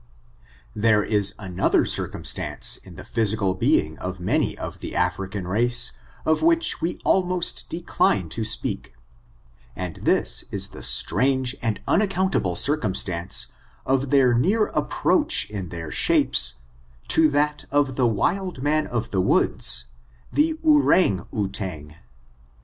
There is another circumstance in the physical be ing of many of the African race, of which we al most decline to speak, and this is the strange and amaccouhtable circumstance of their near approach in their shapes, to that of the wild man of the woods, the ourang outang.